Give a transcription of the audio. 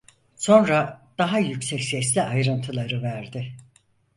Sonra, daha yüksek sesle ayrıntıları verdi.